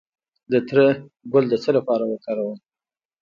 د تره ګل د څه لپاره وکاروم؟